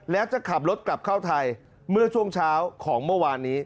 และจะขับรถกลับเข้าไทยเมื่อช่วงเช้าของเมื่อวานนี้